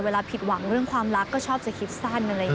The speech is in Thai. เวลาผิดหวังเรื่องความรักก็ชอบจะคิดสั้น